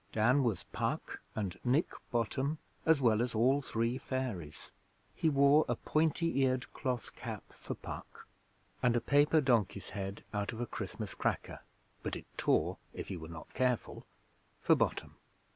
Dan was Puck and Nick Bottom, as well as all three Fairies. He wore a pointy eared cloth cap for Puck, and a paper donkey's head out of a Christmas cracker but it tore if you were not careful for Bottom.